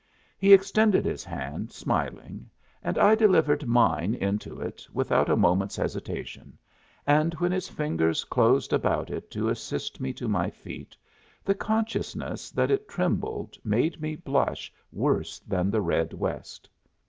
He extended his hand, smiling, and I delivered mine into it without a moment's hesitation, and when his fingers closed about it to assist me to my feet the consciousness that it trembled made me blush worse than the red west.